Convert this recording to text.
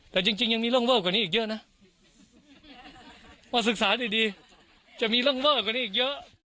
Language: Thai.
แต่จริงยังมีเรื่องเวอร์กว่านี้อีกเยอะนะพอศึกษาดีจะมีเรื่องเวอร์กว่านี้อีกเยอะ